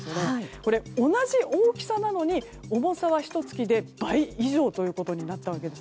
これ、同じ大きさなのに重さはひと月で倍以上ということになったわけです。